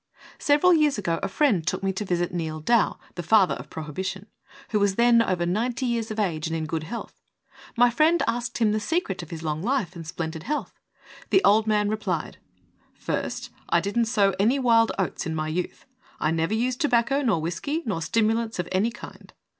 Several years ago a friend took me to visit Neal Dow, "the Father of Prohibi tion," who was then over ninety years of age, and in good health. My friend asked him the secret of his long life and splendid health. The old man replied: "First, I didn't sow any wild oats in my youth; I never used tobacco nor whisky, nor stimulants of any kind.